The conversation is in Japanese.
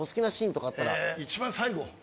え一番最後。